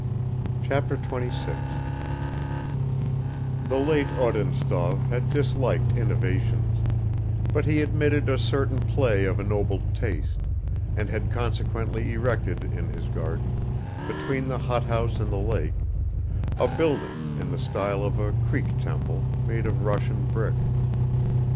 Chapter 26 THE LATE ODINTSOV HAD DISLIKED INNOVATIONS, BUT HE admitted "a certain play of ennobled taste" and had consequently erected in his garden, between the hothouse and the lake, a building in the style of a Creek temple, made of Russian brick.